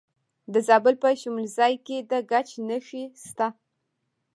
د زابل په شمولزای کې د ګچ نښې شته.